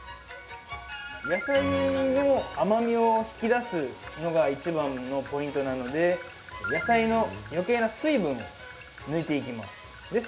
野菜の甘みを引き出すのがいちばんのポイントなので野菜のよけいな水分を抜いていきます。